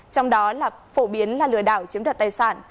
trong đó là phổ biến là lừa đảo chiếm đoạt tài sản